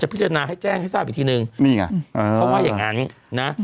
พิจารณาให้แจ้งให้ทราบอีกทีนึงนี่ไงเขาว่าอย่างงั้นนะ